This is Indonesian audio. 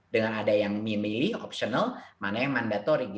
dengan ada yang memilih opsional mana yang mandatori